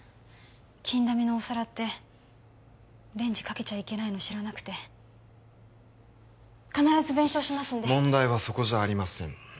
金彩のお皿ってレンジかけちゃいけないの知らなくて必ず弁償しますんで問題はそこじゃありません